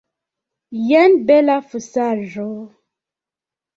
Jen bela fuŝaĵo!